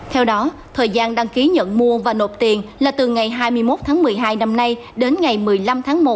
theo đó thời gian đăng ký nhận mua và nộp tiền là từ ngày hai mươi một tháng một mươi hai năm nay đến ngày một mươi năm tháng một